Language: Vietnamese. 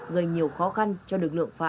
gây nhiều khó khăn cho lực lượng phá án